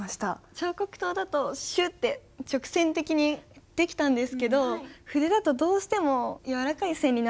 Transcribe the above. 彫刻刀だとシュッって直線的にできたんですけど筆だとどうしても柔らかい線になってしまって。